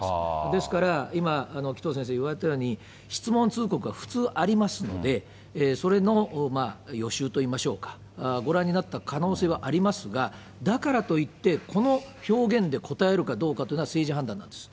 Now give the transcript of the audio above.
ですから、今、紀藤先生、言われたように、質問通告は普通ありますので、それの予習といいましょうか、ご覧になった可能性はありますが、だからといって、この表現で答えるかどうかというのは政治判断なんです。